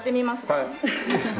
はい。